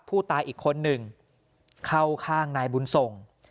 ผู้ตายอีกคนหนึ่งเข้าข้างนายบุญส่ง